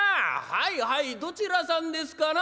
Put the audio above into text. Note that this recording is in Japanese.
「はいはいどちらさんですかな？